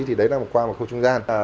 thì đấy là qua một khâu trung gian